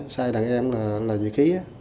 sai đàn em là dự khí